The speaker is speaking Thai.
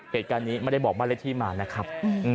เหตุการณ์นี้ไม่ได้บอกบ้านเลขที่มานะครับ